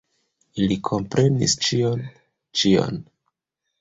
Ili komprenis ĉion, ĉion!